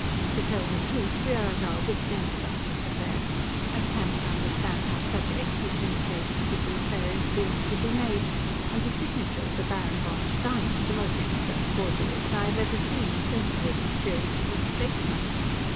To tell the truth, we are at our wits' end about this affair. I cannot understand how such excellent imitations of these various seals could be made, and the signature of the Baron von Stein is the most expert forgery that I have ever seen, in thirty years' experience as a statesman.